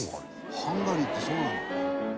「ハンガリーってそうなの？」